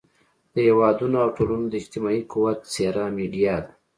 د هېوادونو او ټولنو د اجتماعي قوت څېره میډیا ده.